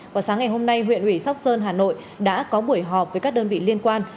vào sáng ngày hôm nay huyện ủy sóc sơn hà nội đã có buổi họp với các đơn vị liên quan